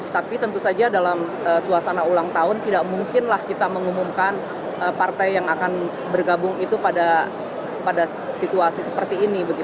tapi tentu saja dalam suasana ulang tahun tidak mungkinlah kita mengumumkan partai yang akan bergabung itu pada situasi seperti ini